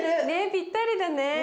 ねっぴったりだね。